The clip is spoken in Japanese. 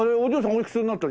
おいくつになった？